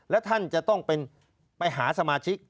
แล้วท่านจะต้องไปหาสมาชิก